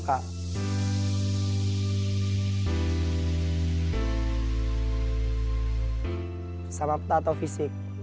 samapta atau fisik